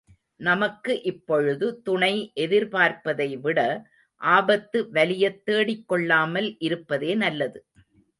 நமக்கு இப்பொழுது துணை எதிர்பார்ப்பதைவிட, ஆபத்தை வலியத் தேடிக்கொள்ளாமல் இருப்பதே நல்லது.